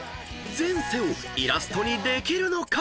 ［前世をイラストにできるのか？］